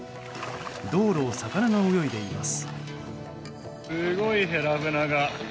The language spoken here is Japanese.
道路を魚が泳いでいます。